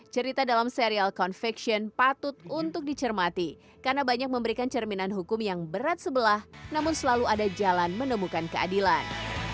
cerita dalam serial convection patut untuk dicermati karena banyak memberikan cerminan hukum yang berat sebelah namun selalu ada jalan menemukan keadilan